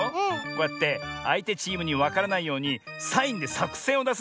こうやってあいてチームにわからないようにサインでさくせんをだすんだね。